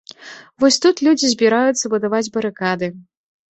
Вось тут людзі збіраюцца будаваць барыкады.